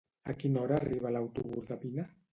A quina hora arriba l'autobús de Pina?